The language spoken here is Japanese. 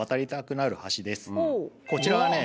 こちらはね